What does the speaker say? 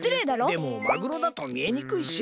でもマグロだとみえにくいし。